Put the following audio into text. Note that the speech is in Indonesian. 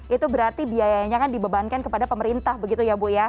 itu berarti biayanya kan dibebankan kepada pemerintah begitu ya bu ya